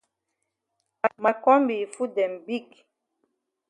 Ma kombi yi foot dem big.